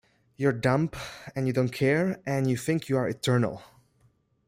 You're dumb, and you don't care and you think you are eternal.